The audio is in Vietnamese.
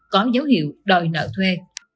có dấu hiệu đòi nợ thuê